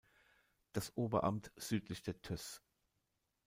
Das Oberamt südlich der Töss.